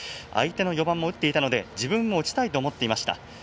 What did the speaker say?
相手の４番も打っていたので自分も打ちたいと思ってました。